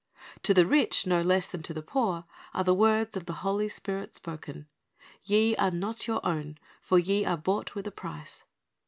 To the rich no less than to the poor are the words of the Holy Spirit spoken, "Ye are not your own; for ye are bought with a price."